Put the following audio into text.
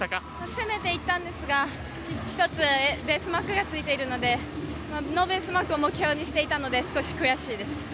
攻めていったんですが１つ、ベースマークがついているのでノーベースマークを目標にしていたので少し悔しいです。